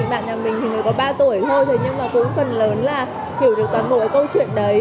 bạn nhà mình hình như có ba tuổi thôi nhưng mà cũng phần lớn là hiểu được toàn bộ câu chuyện đấy